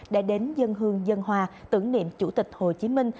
đã đến dân hương dân hòa tưởng niệm chủ tịch hồ chí minh